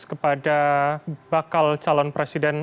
kepada bakal calon presiden